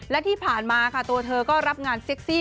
และที่ผ่านมาค่ะตัวเธอก็รับงานเซ็กซี่